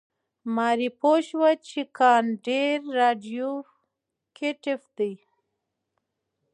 ماري پوه شوه چې کان ډېر راډیواکټیف دی.